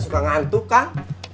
suka ngantuk kan